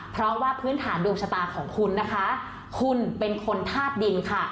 เพราะว่าพื้นฐานดวงชะตาของคุณนะคะคุณเป็นคนธาตุดินค่ะ